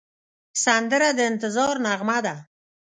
سندره د انتظار نغمه ده